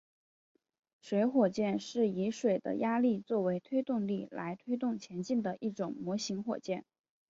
水火箭是以水的压力作为推动力来推动前进的一种模型火箭。